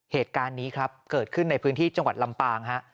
เหตุการณ์นี้ครับเกิดขึ้นในพื้นที่จังหวัดลำปางฮะ